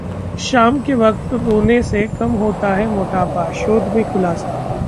शाम के वक्त रोने से कम होता है मोटापा, शोध में खुलासा